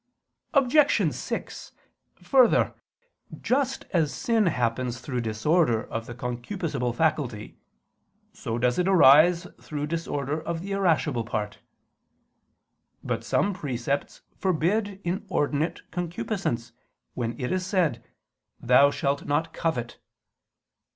Obj. 6: Further, just as sin happens through disorder of the concupiscible faculty, so does it arise through disorder of the irascible part. But some precepts forbid inordinate concupiscence, when it is said, "Thou shalt not covet."